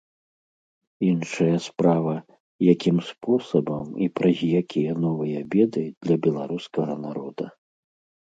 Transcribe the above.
Іншая справа, якім спосабам і праз якія новыя беды для беларускага народа.